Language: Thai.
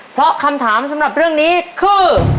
เพราะคำถามสำหรับเรื่องนี้คือ